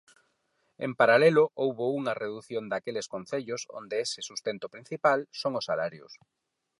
En paralelo, houbo unha redución daqueles concellos onde ese sustento principal son os salarios.